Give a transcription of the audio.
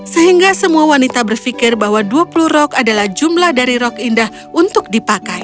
sehingga semua wanita berpikir bahwa dua puluh rok adalah jumlah dari rok indah untuk dipakai